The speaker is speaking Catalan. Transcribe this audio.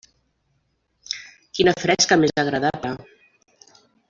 Quina fresca més agradable.